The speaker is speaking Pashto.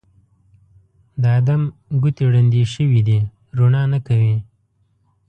د ادم ګوتې ړندې شوي دي روڼا نه کوي